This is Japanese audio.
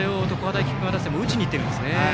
大菊川打線も打ちにいっているんですね。